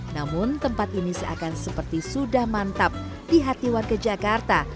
namun tempat ini seakan seperti sudah mantap di hati warga jakarta